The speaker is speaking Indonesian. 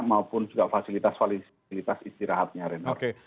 maupun juga fasilitas istirahatnya renhard